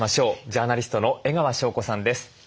ジャーナリストの江川紹子さんです。